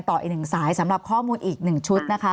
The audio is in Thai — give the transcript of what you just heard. ต่ออีกหนึ่งสายสำหรับข้อมูลอีก๑ชุดนะคะ